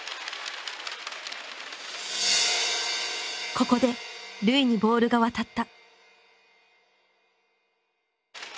ここで瑠唯にボールが渡った。